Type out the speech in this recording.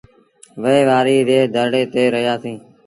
وهي وآريٚ ري ڌڙي تي رهيآ سيٚݩ۔